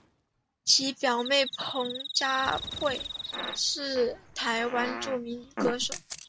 其表妹彭佳慧为台湾著名女歌手。